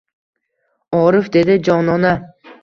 Orif dedi, jonona.